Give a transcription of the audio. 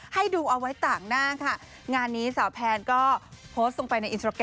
ให้ดูเอาไว้ต่างหน้าค่ะงานนี้สาวแพนก็โพสต์ลงไปในอินสตราแกรม